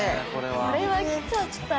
これは来ちゃったよ。